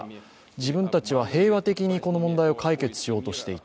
自分たちは平和的にこの問題を解決しようとしていた。